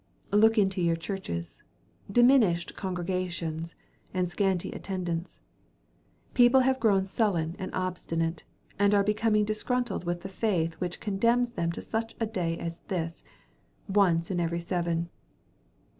Look into your churches—diminished congregations, and scanty attendance. People have grown sullen and obstinate, and are becoming disgusted with the faith which condemns them to such a day as this, once in every seven.